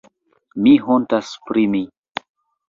Mi hontas pri mi.